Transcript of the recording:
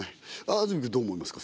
安住くんどう思いますか？